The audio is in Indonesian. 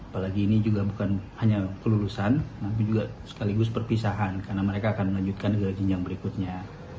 apalagi ini juga bukan hanya kelulusan tapi juga sekaligus perpisahan karena mereka akan melanjutkan ke jenjang berikutnya